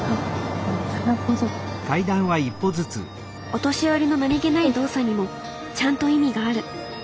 お年寄りの何気ない動作にもちゃんと意味がある。